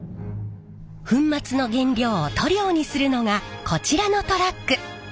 粉末の原料を塗料にするのがこちらのトラック。